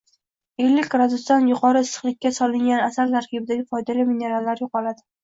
Ellik gradusdan yuqori issiqlikka solingan asal tarkibidagi foydali minerallar yo‘qoladi.